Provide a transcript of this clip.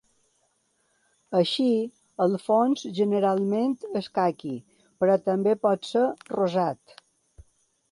Així, el fons generalment és caqui, però també pot ser rosat.